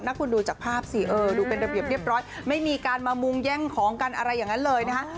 คุณดูจากภาพสิเออดูเป็นระเบียบเรียบร้อยไม่มีการมามุงแย่งของกันอะไรอย่างนั้นเลยนะฮะ